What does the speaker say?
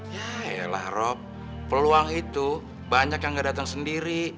yaelah rob peluang itu banyak yang gak datang sendiri